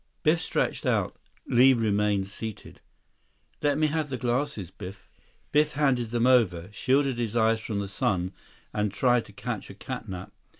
Biff stretched out. Li remained seated. "Let me have the glasses. Biff." Biff handed them over, shielded his eyes from the sun, and tried to catch a catnap.